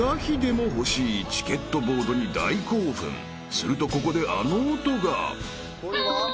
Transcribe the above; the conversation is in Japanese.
［するとここであの音が］